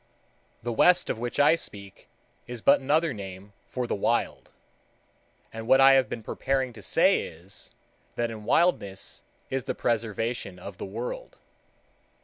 The West of which I speak is but another name for the Wild; and what I have been preparing to say is, that in Wildness is the preservation of the World.